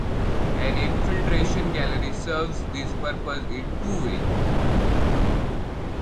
An infiltration gallery serves this purpose in two ways.